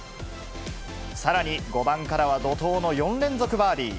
さらに５番からは怒とうの４連続バーディー。